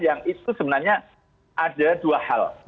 yang itu sebenarnya ada dua hal